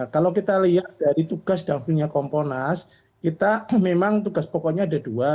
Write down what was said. kalau kita lihat dari tugas dan punya kompolnas kita memang tugas pokoknya ada dua